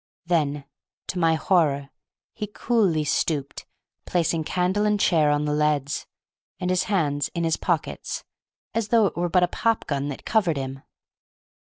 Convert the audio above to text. Then, to my horror, he coolly stooped, placing candle and chair on the leads, and his hands in his pockets, as though it were but a popgun that covered him.